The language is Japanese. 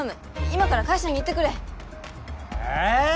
今から会社に行ってくれえ！